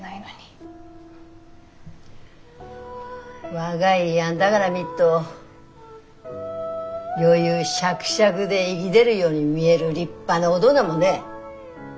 若いあんだがら見っと余裕しゃくしゃくで生ぎでるように見える立派な大人もね